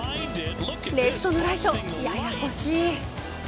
レフトのライト、ややこしい。